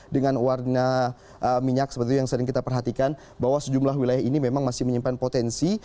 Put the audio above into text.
dengan warna minyak seperti itu yang sering kita perhatikan bahwa sejumlah wilayah ini memang masih menyimpan potensi